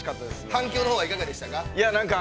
◆反響のほうはいかがでしたか。